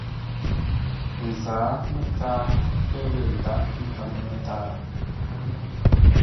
Ə zǎa mətǎa pə̂ lə̂ ndághʼ ńtáŋ mətǎa.